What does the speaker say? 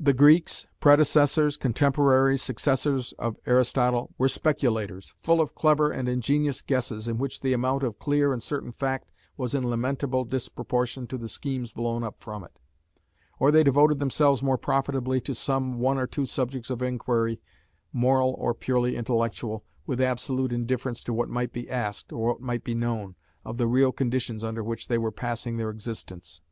The Greeks predecessors, contemporaries, successors of Aristotle were speculators, full of clever and ingenious guesses, in which the amount of clear and certain fact was in lamentable disproportion to the schemes blown up from it; or they devoted themselves more profitably to some one or two subjects of inquiry, moral or purely intellectual, with absolute indifference to what might be asked, or what might be known, of the real conditions under which they were passing their existence.